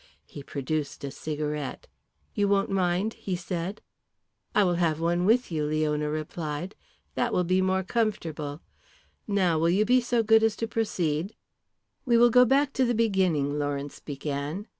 He produced a cigarette. "You won't mind?" he said. "I will have one with you," Leona replied. "That will be more comfortable. Now, will you be so good as to proceed?" "We will go back to the beginning," Lawrence began.